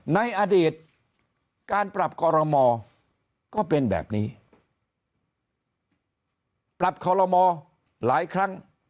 ในอดีตการปรับคอรมอก็เป็นแบบนี้ปรับคอลโลมอหลายครั้ง